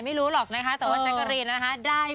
ไม่รู้ว่าแอบอย่างพี่